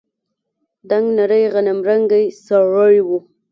دنګ نرى غنمرنگى سړى و.